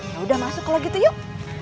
yaudah masuk kalau gitu yuk